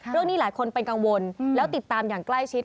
เรื่องนี้หลายคนเป็นกังวลแล้วติดตามอย่างใกล้ชิด